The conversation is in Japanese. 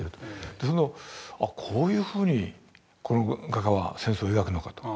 あこういうふうにこの画家は戦争を描くのかと。